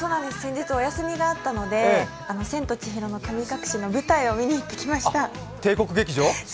先日お休みだったので「千と千尋の神隠し」の舞台を見に行ってきました。